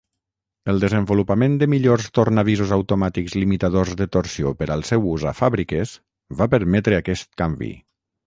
El desenvolupament de millors tornavisos automàtics limitadors de torsió per al seu ús a fàbriques va permetre aquest canvi.